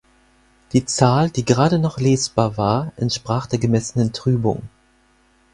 Die Zahl, die gerade noch lesbar war, entsprach der gemessenen Trübung.